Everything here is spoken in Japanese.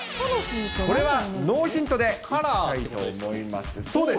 これはノーヒントでいきたいと思います。